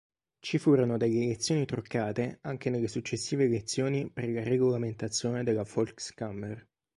Ci furono delle elezioni truccate anche nelle successive elezioni per la regolamentazione della Volkskammer.